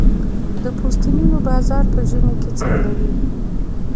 د پوستینونو بازار په ژمي کې څنګه وي؟